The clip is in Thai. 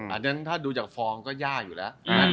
อันนั้นถ้าดูจากฟองก็ยากอยู่แล้ว